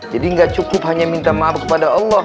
jadi gak cukup hanya minta maaf kepada allah